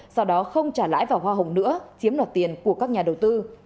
sau đó không trả lãi vào hòa hồng nữa chiếm nọt tiền của các nhà đầu tư